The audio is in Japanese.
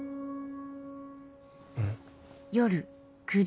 うん。